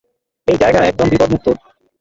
এই জায়গা একদম বিপদমুক্ত।